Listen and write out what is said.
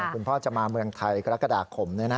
คุณพ่อจะมาเมืองไทยรักษาคมหน่อยนะ